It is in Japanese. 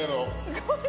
すごい。